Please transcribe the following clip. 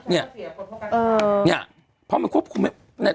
เกลียดคนพวกข้านะ